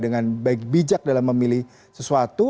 dengan baik bijak dalam memilih sesuatu